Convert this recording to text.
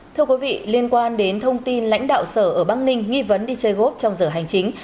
thưa quý vị liên quan đến thông tin lãnh đạo sở ở bắc ninh nghi vấn đi chơi gốc trong giờ hành chính